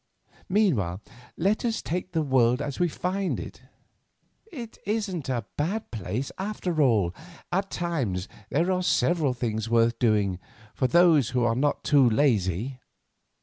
Meanwhile, let us take the world as we find it. It isn't a bad place, after all, at times, and there are several things worth doing for those who are not too lazy.